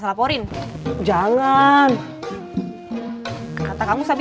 kalau mau tahan ke antara nama kita ibu